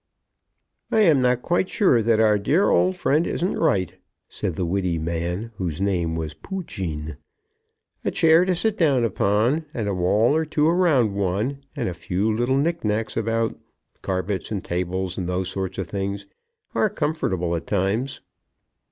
"I am not quite sure that our dear old friend isn't right," said the witty man, whose name was Poojean; "a chair to sit down upon, and a wall or two around one, and a few little knick nacks about, carpets and tables and those sort of things, are comfortable at times."